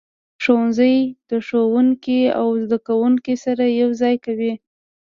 ښوونځی ښوونکي او زده کوونکي سره یو ځای کوي.